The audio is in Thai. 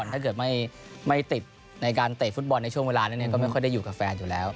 ถ้าเกิดไม่ติดในการเตะฟุตบอลในช่วงเวลานั้นก็ไม่ค่อยได้อยู่กับแฟนอยู่แล้ว